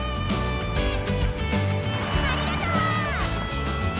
ありがとう！